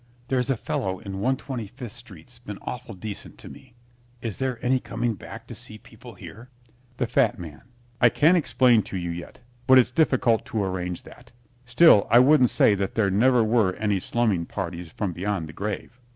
There's a fellow in 125th Street's been awful decent to me. Is there any coming back to see people here? (A pause.) THE FAT MAN I can't explain to you yet, but it's difficult to arrange that. Still, I wouldn't say that there never were any slumming parties from beyond the grave.